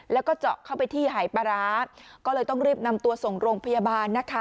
แล้วก็เจาะเข้าไปที่หายปลาร้าก็เลยต้องรีบนำตัวส่งโรงพยาบาลนะคะ